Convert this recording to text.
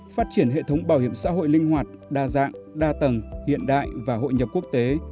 phát triển hệ thống bảo hiểm xã hội linh hoạt đa dạng đa tầng hiện đại và hội nhập quốc tế